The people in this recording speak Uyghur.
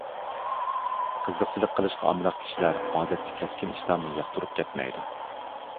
قىزىقچىلىق قىلىشقا ئامراق كىشىلەر ئادەتتە كەسكىن ئىشلارنى ياقتۇرۇپ كەتمەيدۇ.